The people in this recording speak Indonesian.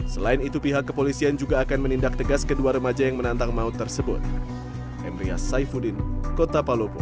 selain itu pihak kepolisian juga akan menindak tegas kedua remaja yang menantang maut tersebut